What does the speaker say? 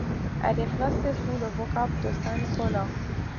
Elle est placée sous le vocable de saint Nicolas.